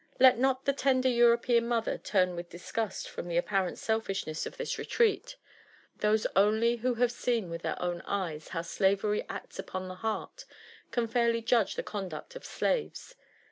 Let not the tender European mother turn with disgust from the ap parent selfishness of this retreat. Those only who have seen with their own eyes how slavery acts upon the heart, can fairly judge the conduct of slaves.